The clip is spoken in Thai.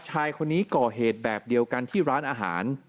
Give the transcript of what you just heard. ชายคนนี้ก่อเหตุแบบเดียวกันที่ร้านอาหาร